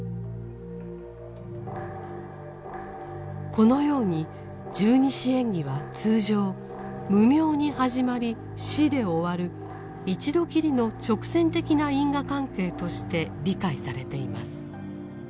このように十二支縁起は通常「無明」に始まり「死」で終わる一度きりの直線的な因果関係として理解されています。